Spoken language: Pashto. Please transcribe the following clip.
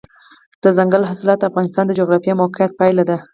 دځنګل حاصلات د افغانستان د جغرافیایي موقیعت پایله ده.